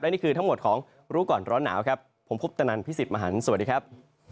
นี่คือทั้งหมดของรู้ก่อนร้อนหนาวครับผมพบตนันพี่สิทธิมหันฯสวัสดีครับ